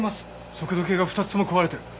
速度計が２つとも壊れてる。